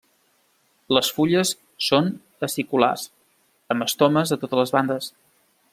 Les fulles són aciculars amb estomes a totes les bandes.